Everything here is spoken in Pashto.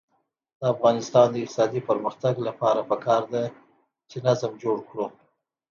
د افغانستان د اقتصادي پرمختګ لپاره پکار ده چې نظم جوړ کړو.